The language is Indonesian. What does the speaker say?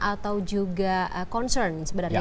atau juga concern sebenarnya